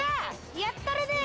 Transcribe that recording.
やったるで。